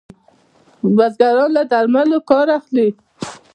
بزګران له درملو کار اخلي.